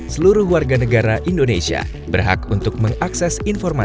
seluruh warga negara indonesia berhak untuk mengakses dan mengembangkan kebijakan